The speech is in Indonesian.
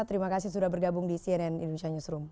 terima kasih sudah bergabung di cnn indonesia newsroom